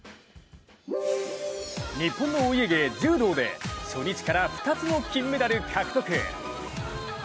日本のお家芸柔道で初日から２つの金メダルを獲得。